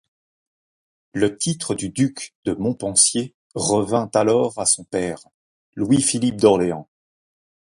Le titre de duc de Montpensier revint alors à son père, Louis Philippe d'Orléans.